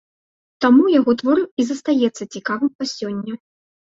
Таму яго твор і застаецца цікавым па сёння.